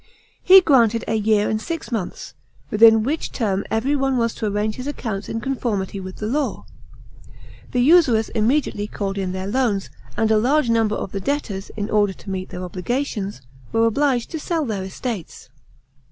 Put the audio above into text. He granted a year and six months, within which term everyone was to arrange his accounts in con formity with the law. The usurers immediately called in their loans, and a large number of the debtors, in order to meet their obligations, were obliged to sell their estates.